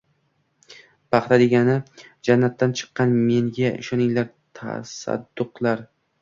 Paxta degani jannatdan chiqqan, menga ishoninglar, tasadduqlar.